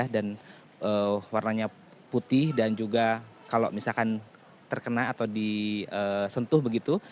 dan warnanya putih dan juga kalau misalkan terkena atau disentuh begitu